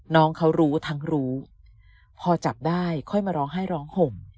น้องเขารู้ทั้งรู้พอจับได้ค่อยมาร้องไห้ร้องห่ม